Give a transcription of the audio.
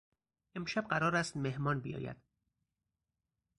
امشب قرار است مهمان بیاید.